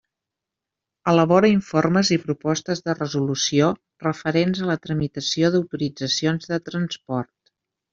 Elabora informes i propostes de resolució referents a la tramitació d'autoritzacions de transport.